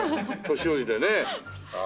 年寄りでね。